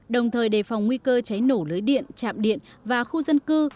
đồng thời đề phòng nguy cơ cháy nổ lưới điện chạm điện và khu dân cư